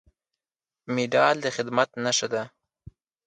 مډال د خدمت نښه ده